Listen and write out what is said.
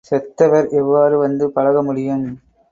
செத்தவர் எவ்வாறு வந்து பழகமுடியும்?